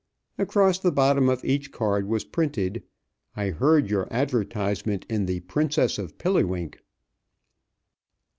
Across the bottom of each card was printed, "I heard your advertisement in the 'Princess of Pilliwink.'"